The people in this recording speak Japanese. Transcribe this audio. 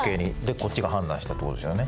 こっちが判断したってことですよね。